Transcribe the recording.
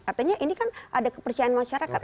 artinya ini kan ada kepercayaan masyarakat